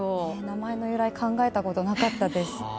名前の由来考えたことがなかったです。